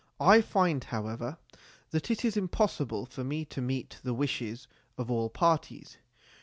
I find, however, that it is impossible for me to meet the wishes of all parties.